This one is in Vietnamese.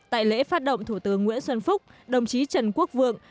tại lễ phát động thủ tướng nguyễn xuân phúc đồng chí trần quốc vượng